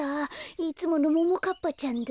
いつものももかっぱちゃんだ。